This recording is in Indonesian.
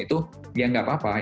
itu ya nggak apa apa